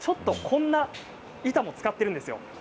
こんな板も使っているんですよ。